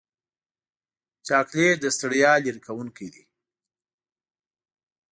چاکلېټ د ستړیا لرې کوونکی دی.